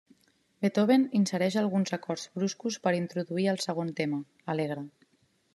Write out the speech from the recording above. Beethoven insereix alguns acords bruscos per introduir el segon tema, alegre.